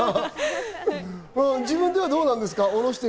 自分ではどうなんですか？